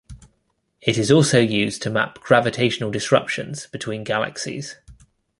It is also used to map gravitational disruptions between galaxies.